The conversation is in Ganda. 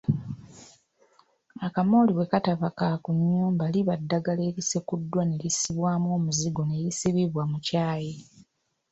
Akamooli bwe kataba kakunnyumba liba ddagala erisekuddwa ne lisibwamu omuzigo ne lisibibwa mu kyayi.